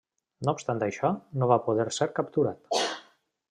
No obstant això, no va poder ser capturat.